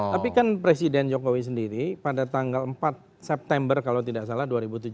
tapi kan presiden jokowi sendiri pada tanggal empat september kalau tidak salah dua ribu tujuh belas